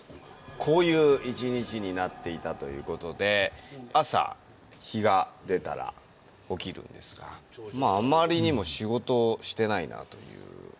こういう１日になっていたという事で朝日が出たら起きるんですがあまりにも仕事してないなという。